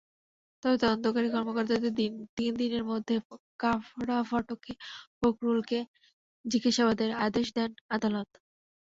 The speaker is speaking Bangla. তবে তদন্তকারী কর্মকর্তাকে তিন দিনের মধ্যে কারাফটকে ফখরুলকে জিজ্ঞাসাবাদের আদেশ দেন আদালত।